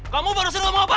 kamu baru sudah ngomong apa